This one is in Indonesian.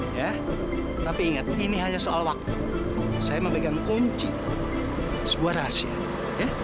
ya tapi ingat ini hanya soal waktu saya memegang kunci sebuah rahasia ya